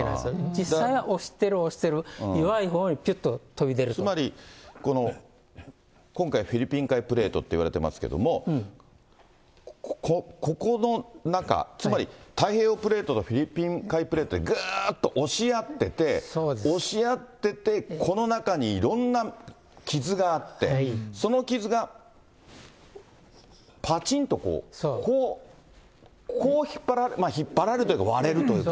実際は押してる、押してる、つまり、この、今回フィリピン海プレートっていわれてますけれども、ここの中、つまり太平洋プレートとフィリピン海プレートでぐっと押し合ってて、押し合ってて、この中にいろんな傷があって、その傷がぱちんとこう、こう引っ張られる、引っ張られるというか、割れるというか。